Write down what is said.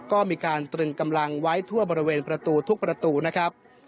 ก็มีการตรึงกำลังไว้ทั่วบริเวณประตูทุกประตูนะครับ